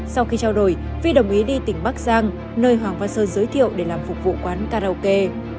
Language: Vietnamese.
sau khi trao đổi vi đồng ý đi tỉnh bắc giang nơi hoàng văn sơn giới thiệu để làm phục vụ quán karaoke